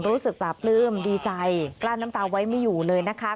รู้สึกปลาปลื้มดีใจกลั้นน้ำตาไว้ไม่อยู่เลยนะคะ